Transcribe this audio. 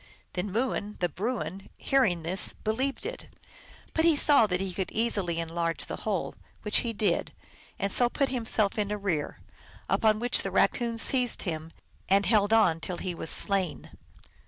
Then Mooin, the Bruin, hearing this, believed it, but saw that he could easily enlarge the hole, which he did, and so put himself in arrear ; upon which the Kaccoon seized him, and held on till he was slain.